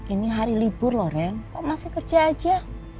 ini hari libur loh ren kok masih kerja aja